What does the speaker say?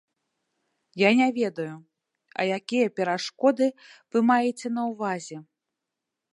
Я не ведаю, а якія перашкоды вы маеце на ўвазе?